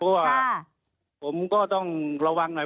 เพราะว่าผมก็ต้องระวังหน่อย